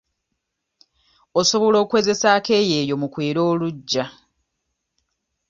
Osobola okwezesa akeeyeeyo mu kwera oluggya.